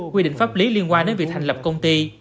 quy định pháp lý liên quan đến việc thành lập công ty